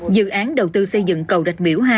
dự án đầu tư xây dựng cầu rạch miễu hai